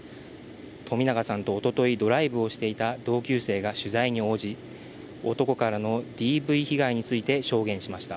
冨永さんとおととい、ドライブをしていた同級生が取材に応じ、男からのＤＶ被害について証言しました。